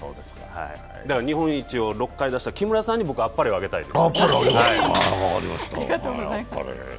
日本一を６回出した木村さんに僕はあっぱれを出したいです。